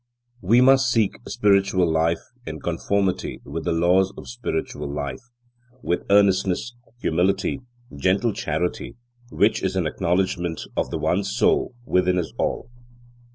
We must seek spiritual life in conformity with the laws of spiritual life, with earnestness, humility, gentle charity, which is an acknowledgment of the One Soul within us all.